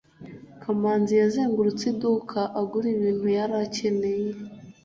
kamanzi yazengurutse iduka, agura ibintu yari akeneye